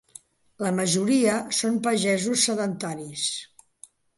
La majoria són pagesos sedentaris.